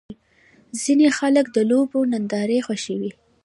ځینې خلک د لوبو نندارې خوښوي.